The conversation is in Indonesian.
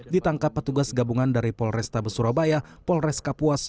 ditangkap petugas gabungan dari polres tabes surabaya polres kapuas